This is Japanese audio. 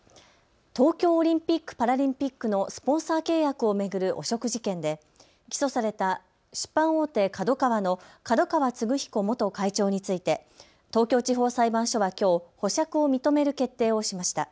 東京オリンピック・パラリンピックのスポンサー契約を巡る汚職事件で起訴された出版大手ＫＡＤＯＫＡＷＡの角川歴彦元会長について東京地方裁判所はきょう保釈を認める決定をしました。